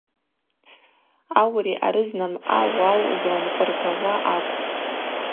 Аури арызнамъа уау зланкъвыргауа акӏвпӏ.